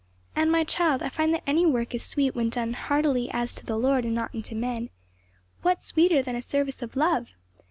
"And, my child, I find that any work is sweet when done 'heartily as to the Lord and not unto men!' What sweeter than a service of love!